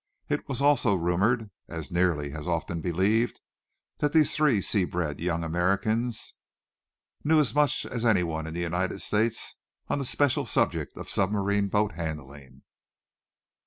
It was also rumored, and nearly as often believed, that these three sea bred young Americans knew as much as anyone in the United States on the special subject of submarine boat handling.